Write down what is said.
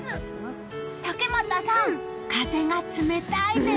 竹俣さん、風が冷たいです。